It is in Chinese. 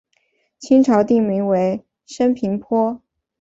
清朝定名为升平坡。